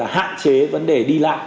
hạn chế vấn đề đi lạ